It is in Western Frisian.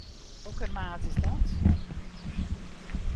Hokker maat is dat?